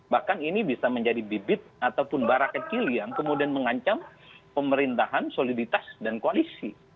bahkan ini bisa menjadi bibit ataupun bara kecil yang kemudian mengancam pemerintahan soliditas dan koalisi